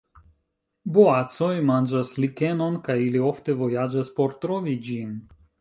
Boacoj manĝas likenon kaj ili ofte vojaĝas por trovi ĝin.